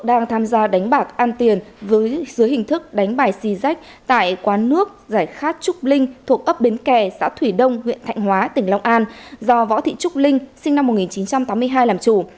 đang tham gia đánh bạc an tiền với dưới hình thức đánh bài xì rách tại quán nước giải khát trúc linh thuộc ấp bến kè xã thủy đông huyện thạnh hóa tỉnh long an do võ thị trúc linh sinh năm một nghìn chín trăm tám mươi hai làm chủ